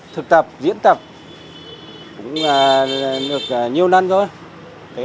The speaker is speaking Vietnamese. điện tập diễn tập cũng được nhiều năm rồi